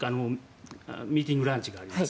ミーティングランチがあります。